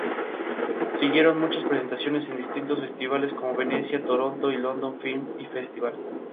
Siguieron muchas presentaciones en distintos festivales como Venecia, Toronto y London Film Festival.